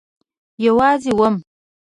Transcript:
یوازی وم